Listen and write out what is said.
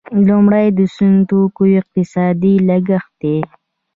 لومړی د سون توکو اقتصادي لګښت دی.